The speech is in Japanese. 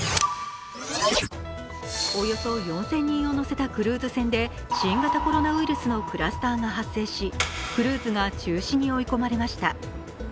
およそ４０００人を乗せたクルーズ船で新型コロナウイルスのクラスターが発生し、クルーズが中心に追い込まれました。